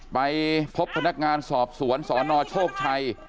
ไปพบพนักงานสอบสวนสนโชคชัย